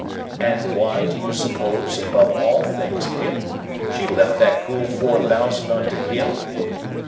And why, do you suppose, above all things, Pip, she left that cool four thousand unto him?